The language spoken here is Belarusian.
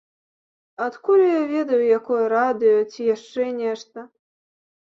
Адкуль я ведаю, якое радыё ці яшчэ нешта?